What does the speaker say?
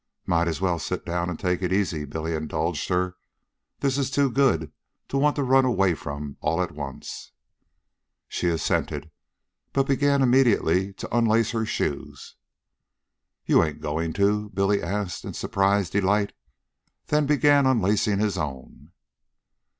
"Might as well sit down an' take it easy," Billy indulged her. "This is too good to want to run away from all at once." Saxon assented, but began immediately to unlace her shoes. "You ain't a goin' to?" Billy asked in surprised delight, then began unlacing his own.